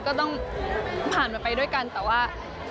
ก็ต้องผ่านมันไปด้วยกันแต่ว่า